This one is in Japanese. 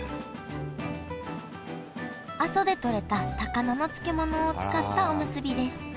阿蘇でとれた高菜の漬物を使ったおむすびです